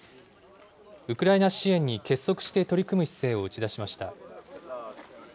ウクライナ支援に結束して取り組む姿勢を打ち出しました。